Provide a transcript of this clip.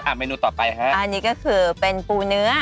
เมนูต่อไปฮะอันนี้ก็คือเป็นปูเนื้อ